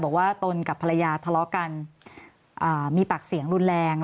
ตนกับภรรยาทะเลาะกันมีปากเสียงรุนแรง